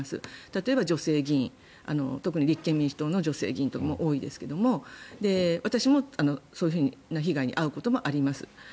例えば女性議員特に立憲民主党の女性議員が多いですけども私もそういう被害に遭うこともあります。